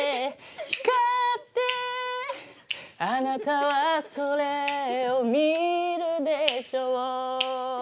「あなたはそれを見るでしょう」